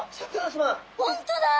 ホントだ！